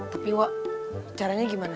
tapi wak caranya gimana